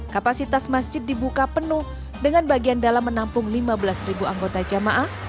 kapasitas masjid dibuka penuh dengan bagian dalam menampung lima belas anggota jamaah